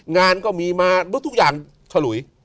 งานก็มีมาทุกอย่างฉลุย